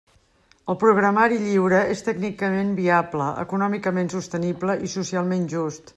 El programari lliure és tècnicament viable, econòmicament sostenible i socialment just.